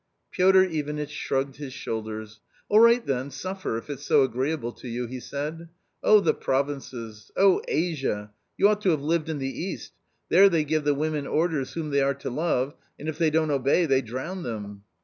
Piotr Ivanitch shrugged his shoulders. s> " All right then, suffer, if it's so agreeable to you," he / said. " Oh, the provinces ! oh, Asia ! You ought to have I lived in the East ; there they give the women orders whom j they are to love, and if they don't obey, they drown them.